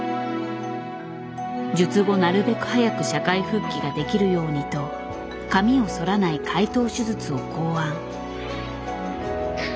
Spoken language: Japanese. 術後なるべく早く社会復帰ができるようにと髪をそらない開頭手術を考案。